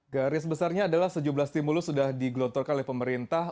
garis besarnya adalah sejumlah stimulus sudah digelontorkan oleh pemerintah